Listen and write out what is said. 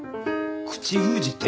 口封じって？